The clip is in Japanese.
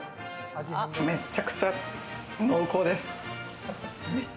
めちゃくちゃ濃厚です。